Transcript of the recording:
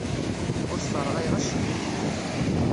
Ur sserɣayeɣ acemma.